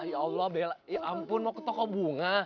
ya allah bela ya ampun mau ke toko bunga